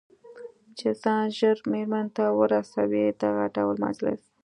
چې ځان ژر مېرمنې ته ورسوي، دغه ډول مجلس.